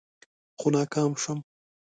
خو ناکام شوم.